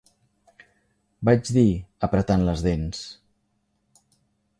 Vaig dir, apretant les dents.